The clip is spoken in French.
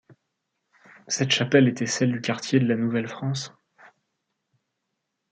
Cette chapelle était celle du quartier de la Nouvelle France.